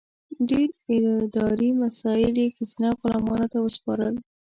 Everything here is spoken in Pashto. ډېر اداري مسایل یې ښځینه غلامانو ته وسپارل.